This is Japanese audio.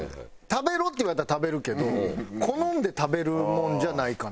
「食べろ」って言われたら食べるけど好んで食べるものじゃないかな。